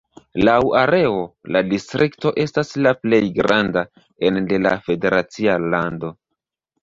Laŭ areo, la distrikto estas la plej granda ene de la federacia lando.